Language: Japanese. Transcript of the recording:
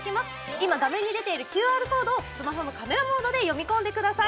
今、画面に出ているＱＲコードをスマホのカメラモードで読み込んでください。